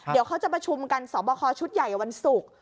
เดี๋ยวเขาจะประชุมกันสอบคอชุดใหญ่วันศุกร์